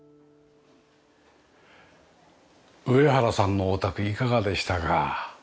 上原さんのお宅いかがでしたか？